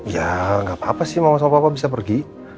ya nggak apa apa sih mama sama papa bisa pergi